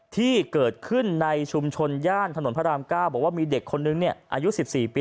ที่เกิดขึ้นในชุมชนย่านถนนพระราม๙บอกว่ามีเด็กคนนึงอายุ๑๔ปี